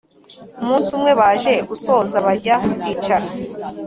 umunsi umwe baje gusoza bajya kwicara